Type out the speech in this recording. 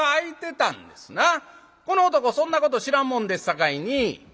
この男そんなこと知らんもんですさかいに。